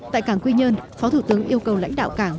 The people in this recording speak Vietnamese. tại cảng quy nhơn phó thủ tướng yêu cầu lãnh đạo cảng